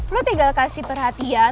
lo tinggal kasih perhatian